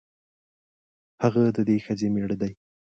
هغه د دې ښځې مېړه دی.